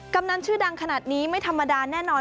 กำนันชื่อดังขนาดนี้ไม่ธรรมดาแน่นอน